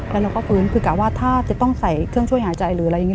แล้วเราก็ฟื้นคือกะว่าถ้าจะต้องใส่เครื่องช่วยหายใจหรืออะไรอย่างนี้